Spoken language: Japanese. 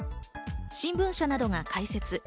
新聞社などが開設。